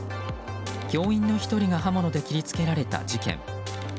教員の１人が刃物で切り付けられた事件。